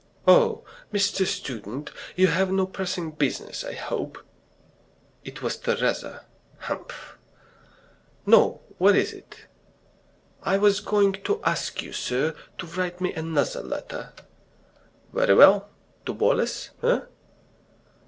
"Oh, Mr. Student, you have no pressing business, I hope?" It was Teresa. Humph! "No. What is it?" "I was going to ask you, sir, to write me another letter." "Very well! To Boles, eh?"